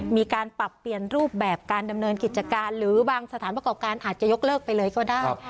มีการปรับเปลี่ยนรูปแบบการดำเนินกิจการหรือบางสถานประกอบการอาจจะยกเลิกไปเลยก็ได้